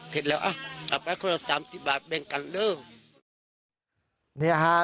เท็จแล้วอ่ะกลับไปค่อนข้าง๓๐บาทเบนกันเถอะ